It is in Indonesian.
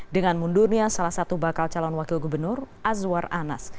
dengan mundurnya salah satu bakal calon wakil gubernur azwar anas